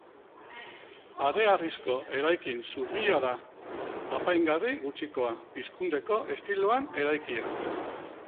Hareharrizko eraikin zurbila da, apaingarri gutxikoa, pizkundeko estiloan eraikia.